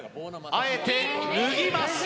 あえて脱ぎます